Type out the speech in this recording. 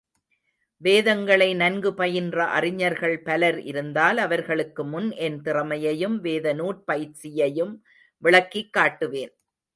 வேதங்களை நன்கு பயின்ற அறிஞர்கள் பலர் இருந்தால் அவர்களுக்குமுன் என் திறமையையும் வேதநூற் பயிற்சியையும் விளக்கிக் காட்டுவேன்!